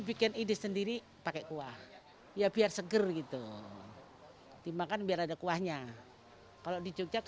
bikin ide sendiri pakai kuah ya biar seger gitu dimakan biar ada kuahnya kalau di jogja